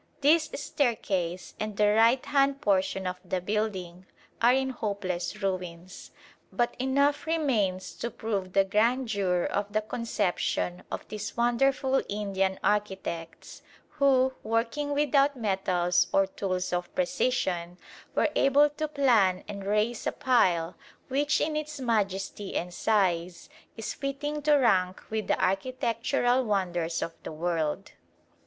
This staircase and the right hand portion of the building are in hopeless ruins, but enough remains to prove the grandeur of the conception of these wonderful Indian architects who, working without metals or tools of precision, were able to plan and raise a pile which in its majesty and size is fitting to rank with the architectural wonders of the world.